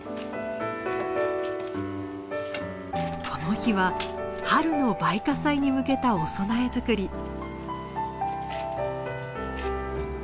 この日は春の梅花祭に向けたお供え作り。